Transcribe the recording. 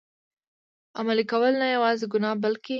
عملي کول، نه یوازي ګناه بلکه.